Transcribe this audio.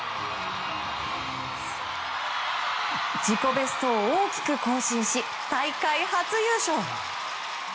自己ベストを大きく更新し大会初優勝。